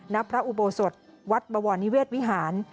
ณพระอุโบสถวัดบวรนิเวศวิหาร